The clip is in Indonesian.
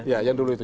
iya yang dulu itu